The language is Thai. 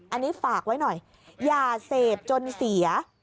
อันนี้ฝากไว้หน่อยอย่าเสพจนเสีย